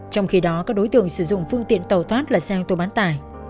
trong khi đó các đối tượng sử dụng phương tiện tàu thoát là xe hương tù bán tải